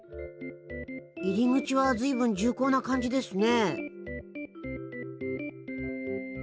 入り口は随分重厚な感じですね。